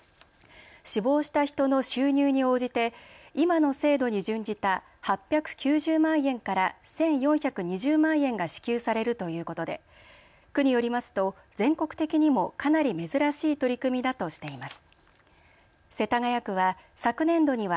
死亡した人の収入に応じて今の制度に準じた８９０万円から１４２０万円が支給されるということで区によりますと全国的にもかなり珍しい取り組みだとしています。